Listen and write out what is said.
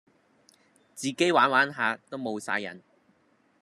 自己玩玩下都無哂癮